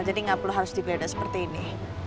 jadi gak perlu harus digledah seperti ini